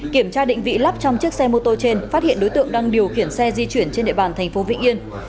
kiểm tra định vị lắp trong chiếc xe mô tô trên phát hiện đối tượng đang điều khiển xe di chuyển trên địa bàn thành phố vĩnh yên